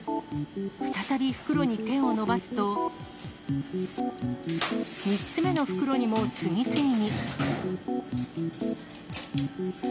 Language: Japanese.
再び袋に手を伸ばすと、３つ目の袋にも次々に。